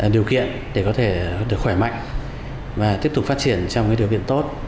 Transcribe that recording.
điều kiện để có thể được khỏe mạnh và tiếp tục phát triển trong điều kiện tốt